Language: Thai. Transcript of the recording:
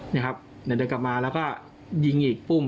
นี่ครับเดี๋ยวเดินกลับมาแล้วก็ยิงอีกปุ้ม